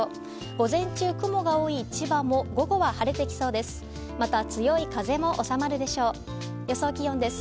午前中、雲が多い千葉も午後は晴れてきそうです。